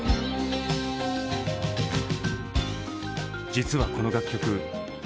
実はこの楽曲